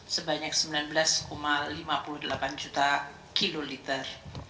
sebanyak sembilan belas lima puluh delapan juta kiloliter